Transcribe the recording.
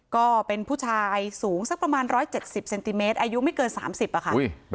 ก็เป็นผู้ชายสูงสักประมาณร้อยเจ็ดสิบเซนติเมตรอายุไม่เกินสามสิบอ่ะค่ะ